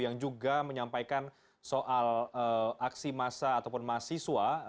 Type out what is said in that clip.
yang juga menyampaikan soal aksi massa ataupun mahasiswa